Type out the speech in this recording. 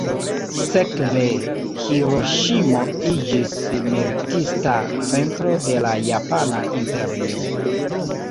Sekve Hiroŝimo iĝis militista centro de la japana imperio.